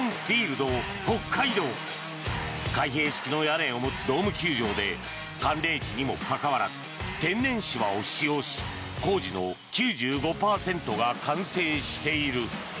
開閉式の屋根を持つドーム球場で寒冷地にもかかわらず天然芝を使用し工事の９５％が完成している。